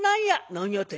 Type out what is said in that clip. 「何やて？」。